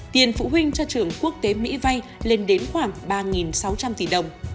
tiền phụ huynh cho trường quốc tế mỹ vay lên đến khoảng ba sáu trăm linh tỷ đồng